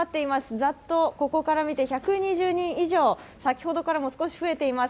ざっとここから見て１２０人以上先ほどからも少し増えています。